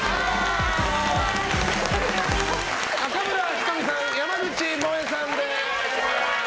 中村仁美さん、山口もえさんです。